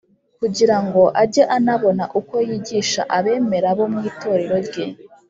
kugira ngo ajye anabona uko yigisha abemera bo mu itorero rye